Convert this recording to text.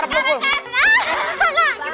kita berangkat pak